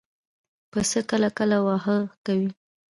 پسه کله کله واهه کوي.